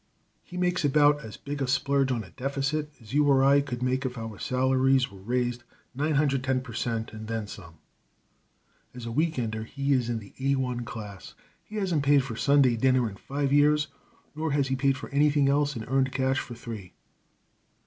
He makes about as big a splurge on a deficit as you or I could make if our salaries were raised nine hundred ten per cent., and then some. As a weekender he is in the A 1 class. He hasn't paid for a Sunday dinner in five years, nor has he paid for anything else in earned cash for three.